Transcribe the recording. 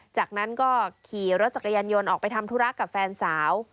จากนั้นก็ขี่รถจักรยานยนต์ออกไปทำธุระกับแฟนสาว